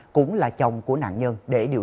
cũng là chồng của nạn nhân